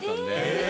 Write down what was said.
え！